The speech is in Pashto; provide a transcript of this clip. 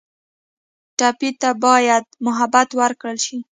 ټپي ته باید محبت ورکړل شي.